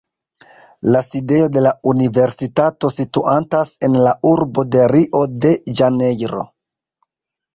La sidejo de la universitato situantas en la urbo de Rio-de-Ĵanejro.